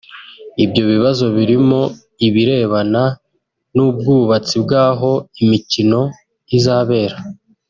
Ibyo bibazo birimo ibirebana n'ubwubatsi bw'aho imikino izabera